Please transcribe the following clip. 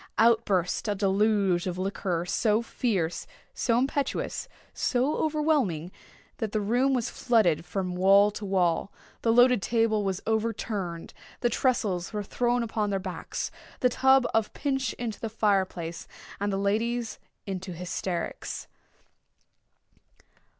Out burst a deluge of liquor so fierce—so impetuous—so overwhelming—that the room was flooded from wall to wall—the loaded table was overturned—the tressels were thrown upon their backs—the tub of punch into the fire place—and the ladies into hysterics.